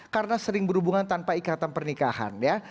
karena sering berhubungan tanpa ikatan pernikahan ya